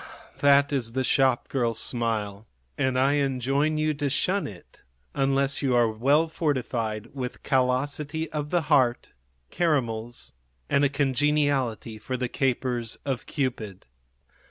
That is the shopgirl smile, and I enjoin you to shun it unless you are well fortified with callosity of the heart, caramels and a congeniality for the capers of Cupid.